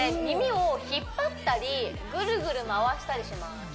耳を引っ張ったりぐるぐる回したりします